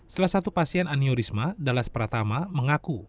salah satu pasien aniorisma dallas pratama mengaku